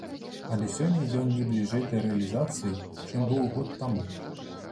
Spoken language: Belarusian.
Але сёння ён не бліжэй да рэалізацыі, чым быў год таму.